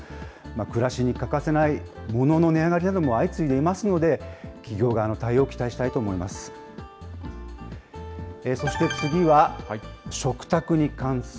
暮らしに欠かせないものの値上がりなども相次いでいますので、企業側の対応を期待したいと思います。